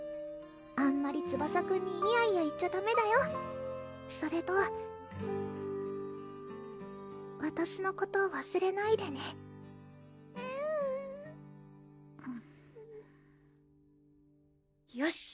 あんまりツバサくんにイヤイヤ言っちゃダメだよそれとわたしのことわすれないでねえるぅよし！